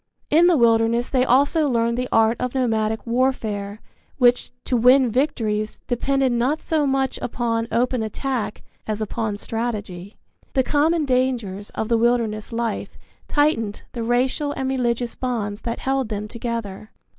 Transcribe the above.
In the wilderness they also learned the art of nomadic warfare which, to win victories, depended not so much upon open attack as upon strategy. The common dangers of the wilderness life tightened the racial and religious bonds that held them together.